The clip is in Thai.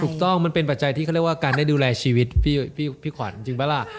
มันเป็นปัจจัยที่เขาเรียกว่าการได้ดูแลชีวิตพี่ขวัญจริงปะล่ะ